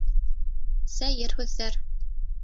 Сәйер һүҙҙәр.